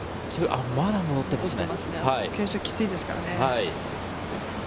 傾斜がきついですからね。